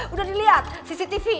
udah dilihat cctv